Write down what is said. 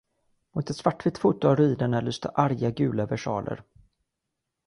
Mot ett svartvitt foto av ruinerna lyste arga gula versaler.